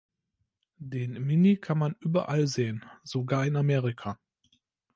Den Mini kann man überall sehen, sogar in Amerika.